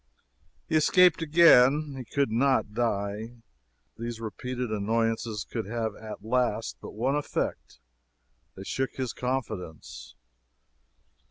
He escaped again he could not die. These repeated annoyances could have at last but one effect they shook his confidence.